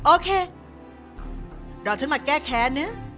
โอเคเราจะมาแก้แคเนอะ